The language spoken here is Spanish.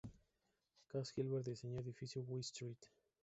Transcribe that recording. Cass Gilbert diseñó Edificio West Street.